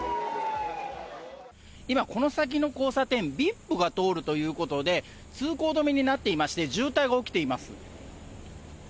今、この先の交差点、ＶＩＰが通るということで、通行止めになっていまして、渋滞が起きています。